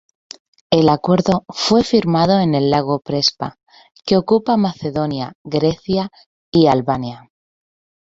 El acuerdo fue firmado en el lago Prespa, que ocupa Macedonia, Grecia y Albania.